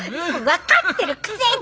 分かってるくせに！